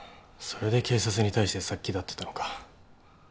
それで警察に対して殺気立ってたのか。